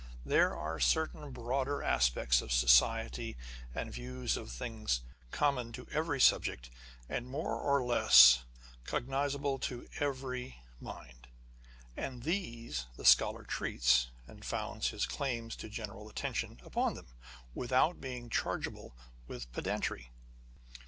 There are certain broader aspects of society and views of things com mon to every subject, and more or less cognisable to every mind ; and these the scholar treats, and founds his claims to general attention upon them, without being chargeable with pedantry.